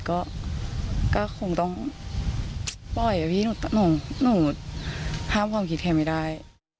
ก็คงต้องปล่อยแบบนี้หนูหนูห้ามความคิดแคร์ไม่ได้